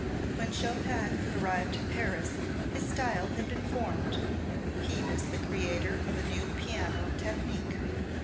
When Chopin arrived in Paris his style had been formed, he was the creator of a new piano technique.